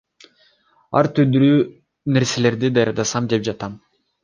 Ар түрдүү нерселерди даярдасам деп жатам.